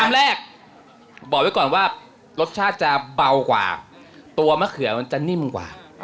แรกบอกไว้ก่อนว่ารสชาติจะเบากว่าตัวมะเขือมันจะนิ่มกว่า